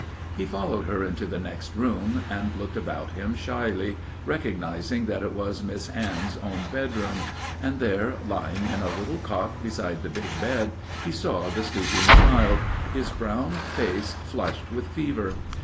He followed her into the next room and looked about him shyly, recognizing that it was Miss Anne's own bedroom; and there, lying in a little cot beside the big bed, he saw the sleeping child, his brown face flushed with fever.